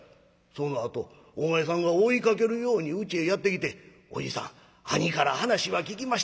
そのあとお前さんが追いかけるようにうちへやって来て『おじさん兄から話は聞きました。